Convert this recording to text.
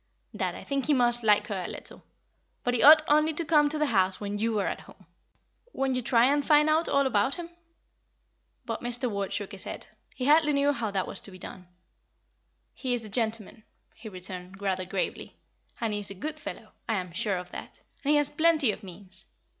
Dad, I think he must like her a little; but he ought only to come to the house when you are at home. Won't you try and find out all about him?" But Mr. Ward shook his head; he hardly knew how that was to be done. "He is a gentleman," he returned, rather gravely, "and he is a good fellow I am sure of that; and he has plenty of means.